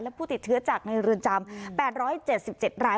และผู้ติดเชื้อจากในเรือนจำ๘๗๗ราย